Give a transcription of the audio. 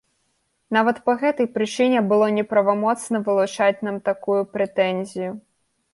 Нават па гэтай прычыне было неправамоцна вылучаць нам такую прэтэнзію.